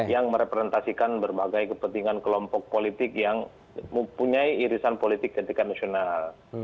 yang merepresentasikan berbagai kepentingan kelompok politik yang mempunyai irisan politik ketika nasional